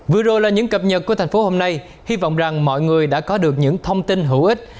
vừa rồi là những cập nhật của thành phố hôm nay hy vọng rằng mọi người đã có được những thông tin hữu ích